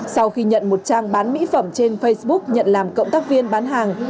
sau khi nhận một trang bán mỹ phẩm trên facebook nhận làm cộng tác viên bán hàng